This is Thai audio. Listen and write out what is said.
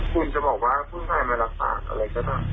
คุณจะบอกว่าผู้ใจมันหลักปากอะไรก็ต่างต่อ